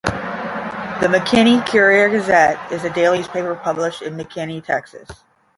The "McKinney Courier-Gazette" is a daily newspaper published in McKinney, Texas, covering Collin County.